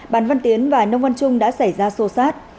bản văn tiến và nông văn trung đã xảy ra xô xát